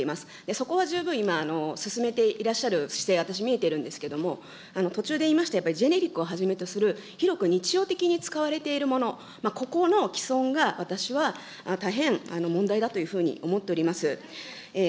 そこは十分今、進めていらっしゃる姿勢は私、見えてるんですけれども、途中で言いました、やはりジェネリックをはじめとする、広く日常的に使われているもの、ここの毀損が私は大変問題だというふうに思っております。